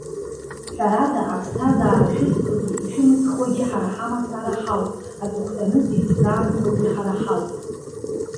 Ҳәарада, аԥсҭазаара шәызҭогьы, ишәымызхуагьы ҳара ҳамацара ҳауп! Аҵыхәтәаны зегь ззаанхогьы ҳара ҳауп.